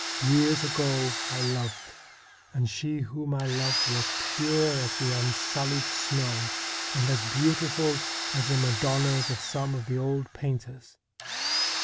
Years ago I loved, and she whom I loved was pure as the unsullied snow and as beautiful as the Madonnas of some of the old painters.